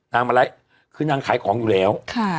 มาไลฟ์คือนางขายของอยู่แล้ว